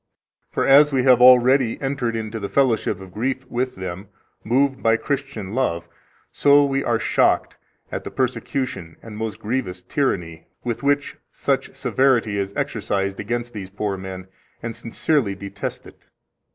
For, as we have already entered into the fellowship of grief with them, moved by Christian love, so we are shocked at the persecution and most grievous tyranny which with such severity is exercised against these poor men, and sincerely detest it.